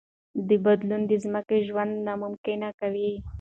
دا بدلون د ځمکې ژوند ناممکن کوي.